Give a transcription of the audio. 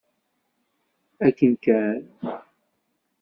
Akken kan.